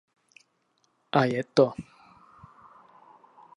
A je to.